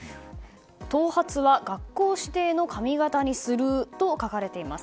頭髪は学校指定の髪形にすると書かれています。